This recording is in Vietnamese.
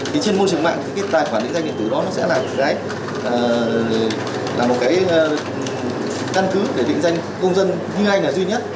thì trên môi trường mạng thì cái tài khoản định danh điện tử đó nó sẽ là một cái căn cước để định danh công dân như hay là duy nhất